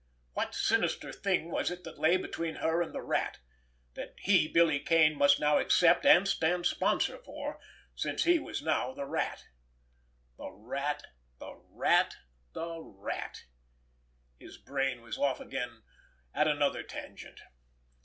What sinister thing was it that lay between her and the Rat—that he, Billy Kane, must now accept and stand sponsor for—since he was now the Rat! The Rat! The Rat! The Rat! His brain was off again at another tangent.